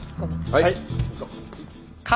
はい。